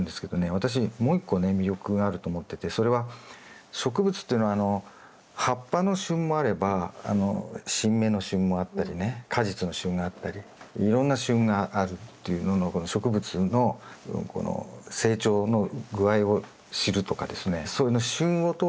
私もう一個ね魅力があると思っててそれは植物っていうのは葉っぱの旬もあれば新芽の旬もあったりね果実の旬があったりいろんな旬があるっていうのの植物の成長の具合を知るとかですね。